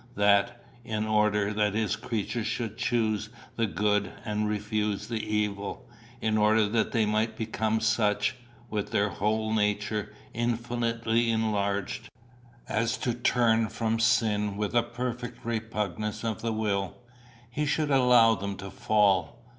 that, in order that his creatures should choose the good and refuse the evil, in order that they might become such, with their whole nature infinitely enlarged, as to turn from sin with a perfect repugnance of the will, he should allow them to fall?